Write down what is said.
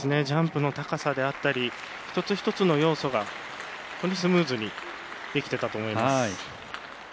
ジャンプの高さであったり一つ一つの要素が本当にスムーズにできてたと思います。